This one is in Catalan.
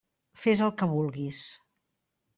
Fes el que vulguis.